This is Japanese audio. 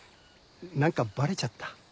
何かバレちゃった？